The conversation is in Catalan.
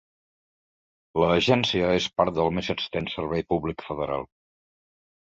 L'agència és part del més extens servei públic federal.